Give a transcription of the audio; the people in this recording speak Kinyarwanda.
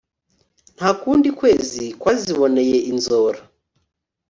nta kundi kwezi kwayiboneye inzora